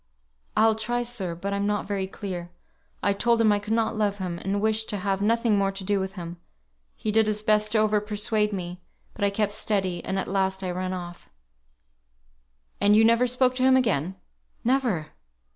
"I'll try, sir; but I'm not very clear. I told him I could not love him, and wished to have nothing more to do with him. He did his best to over persuade me, but I kept steady, and at last I ran off." "And you never spoke to him again?" "Never!"